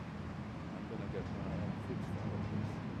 I'm gonna get my arm fixed out of this.